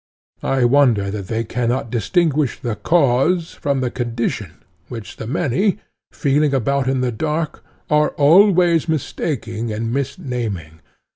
I wonder that they cannot distinguish the cause from the condition, which the many, feeling about in the dark, are always mistaking and misnaming.